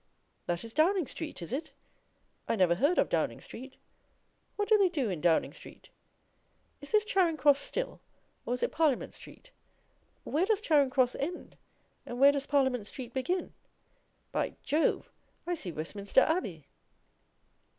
That is Downing Street, is it? I never heard of Downing Street. What do they do in Downing Street? Is this Charing Cross still, or is it Parliament Street? Where does Charing Cross end, and where does Parliament Street begin? By Jove, I see Westminster Abbey!